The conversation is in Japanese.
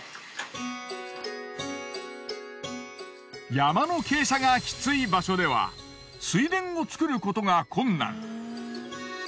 山の傾斜がきつい場所では水田を作ることが困難。